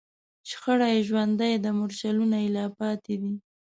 شخړه یې ژوندۍ ده، مورچلونه یې لا پاتې دي